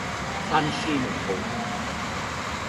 閂書名號